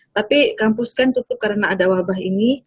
tapi kampus kan tutup karena ada wabah ini